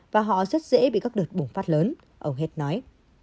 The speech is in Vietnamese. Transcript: và họ rất dễ bị các đợt bùng phát lớn ông hess nói